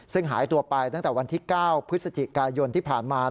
ซึ่งหายตัวไปตั้งแต่วันที่๙พฤศจิกายนที่ผ่านมา